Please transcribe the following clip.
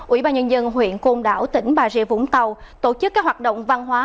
ủy ban nhân dân huyện côn đảo tỉnh bà rịa vũng tàu tổ chức các hoạt động văn hóa